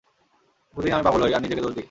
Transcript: প্রতিদিন আমি পাগল হই, আর নিজেকে দোষ দিই।